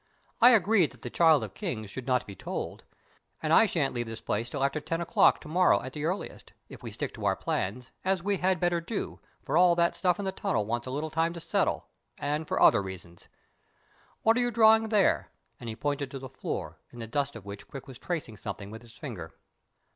I agree that the Child of Kings should not be told, and I shan't leave this place till after ten o'clock to night at the earliest, if we stick to our plans, as we had better do, for all that stuff in the tunnel wants a little time to settle, and for other reasons. What are you drawing there?" and he pointed to the floor, in the dust of which Quick was tracing something with his finger.